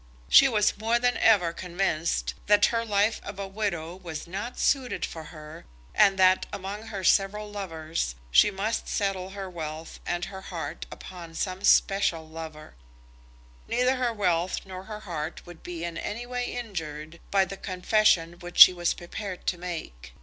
She was more than ever convinced that the life of a widow was not suited for her, and that, among her several lovers, she must settle her wealth and her heart upon some special lover. Neither her wealth nor her heart would be in any way injured by the confession which she was prepared to make.